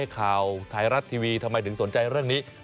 ข่าวไทยรัฐทีวีทำไมถึงสนใจเรื่องนี้